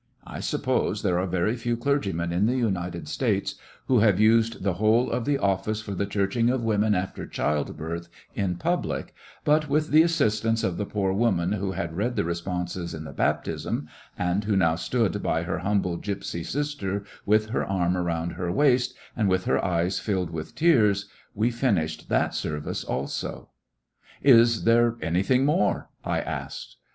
I suppose there are very few clergymen in the United States who have used the whole of the office for the "Church ing of women after childbirth " in public, but with the assistance of the poor woman who 21 Recollections of a had read the responses in the baptism, and who now stood by her humble gypsy sister with her arm around her waist and with her eyes filled with tears, we finished that service abo. "Is there anything more? " I asked.